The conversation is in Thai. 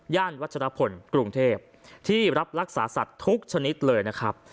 วัชรพลกรุงเทพที่รับรักษาสัตว์ทุกชนิดเลยนะครับ